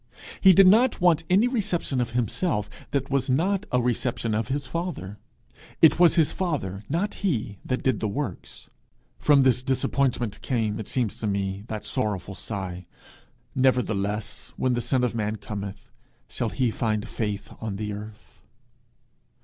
He did not want any reception of himself that was not a reception of his father. It was his father, not he, that did the works! From this disappointment came, it seems to me, that sorrowful sigh, 'Nevertheless, when the son of man cometh, shall he find faith on the earth?'